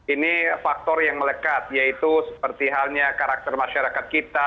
ini faktor yang melekat yaitu seperti halnya karakter masyarakat kita